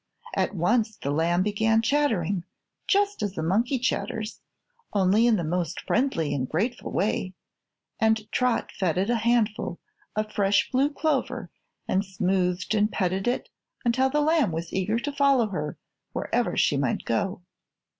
At once the lamb began chattering, just as a monkey chatters, only in the most friendly and grateful way, and Trot fed it a handful of fresh blue clover and smoothed and petted it until the lamb was eager to follow her wherever she might go.